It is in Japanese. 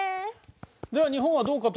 では日本はどうかと